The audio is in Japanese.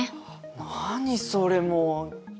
何それもう。